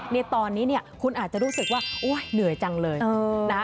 ในตอนนี้เนี่ยคุณอาจจะรู้สึกว่าโอ๊ยเหนื่อยจังเลยนะ